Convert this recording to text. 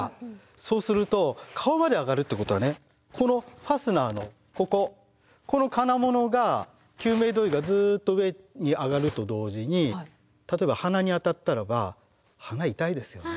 そうすると顔まで上がるってことはこのファスナーのこここの金物が救命胴衣がずっと上に上がると同時に例えば鼻に当たったらば鼻痛いですよね。